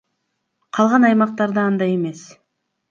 Калган аймактарда андай эмес.